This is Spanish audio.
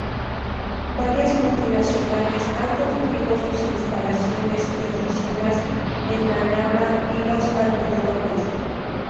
Varias multinacionales han construido sus instalaciones y oficinas en Manama y los alrededores.